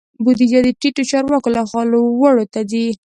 بودیجه د ټیټو چارواکو لخوا لوړو ته ځي.